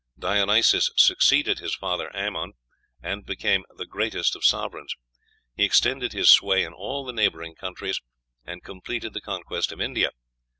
Dionysos succeeded his father Amon, and "became the greatest of sovereigns. He extended his sway in all the neighboring countries, and completed the conquest of India....